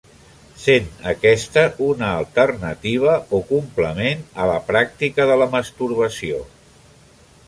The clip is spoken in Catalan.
Sent aquesta una alternativa o complement a la pràctica de la masturbació.